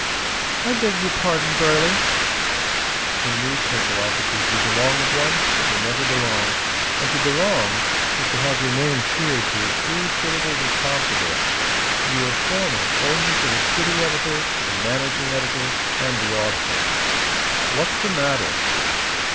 "I beg your pardon, Burly!" In newspaper offices you belong at once or you never belong; and to belong is to have your name sheared to as few syllables as possible. You are formal only to the city editor, the managing editor, and the auditor. "What's the matter?"